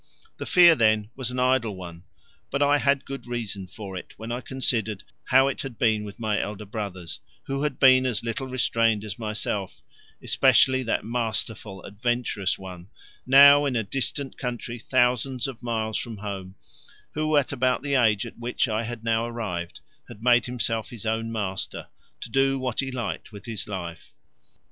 The fear, then, was an idle one, but I had good reason for it when I considered how it had been with my elder brothers, who had been as little restrained as myself, especially that masterful adventurous one, now in a distant country thousands of miles from home, who, at about the age at which I had now arrived, had made himself his own master, to do what he liked with his own life.